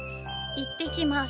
いってきます。